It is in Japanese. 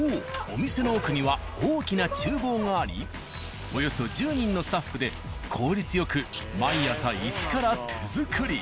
お店の奥には大きな厨房がありおよそ１０人のスタッフで効率よく毎朝一から手作り。